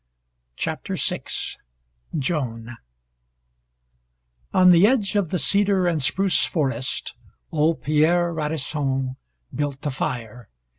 CHAPTER VI JOAN On the edge of the cedar and spruce forest old Pierre Radisson built the fire.